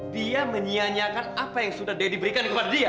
dia menyianyikan apa yang sudah daddy berikan kepada dia